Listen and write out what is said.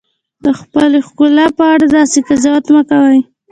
د خپلې ښکلا په اړه داسې قضاوت مه کوئ.